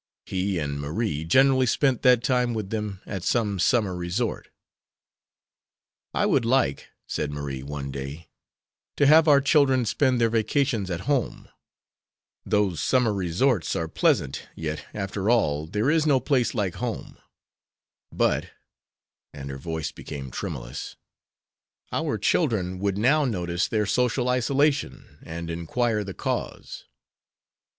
He and Marie generally spent that time with them at some summer resort. "I would like," said Marie, one day, "to have our children spend their vacations at home. Those summer resorts are pleasant, yet, after all, there is no place like home. But," and her voice became tremulous, "our children would now notice their social isolation and inquire the cause."